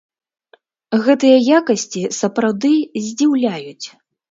Гэтыя якасці сапраўды здзіўляюць.